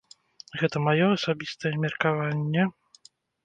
Гэта маё асабістае меркаванне.